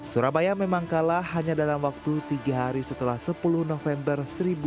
surabaya memang kalah hanya dalam waktu tiga hari setelah sepuluh november seribu sembilan ratus empat puluh